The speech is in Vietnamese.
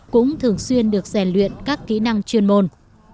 cũng thường xuyên được rèn luyện các kỹ năng chuyên môn